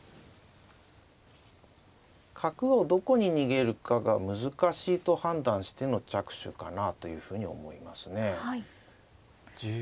角をどこに逃げるかが難しいと判断しての着手かなというふうに思いますね。